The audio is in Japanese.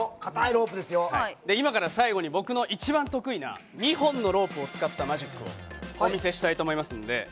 今から最後に一番得意な２本のロープを使ったマジックをお見せしたいと思います。